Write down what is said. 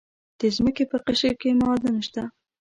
د ځمکې په قشر کې معادن شته.